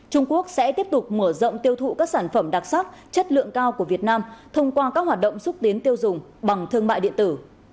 trung quốc sẽ tiếp tục mở rộng tiêu thụ các sản phẩm đặc sắc chất lượng cao của việt nam thông qua các hoạt động xúc tiến tiêu dùng bằng thương mại điện tử